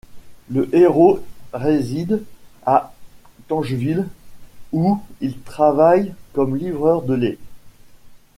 Le héros réside à Tangeville où il travaille comme livreur de lait.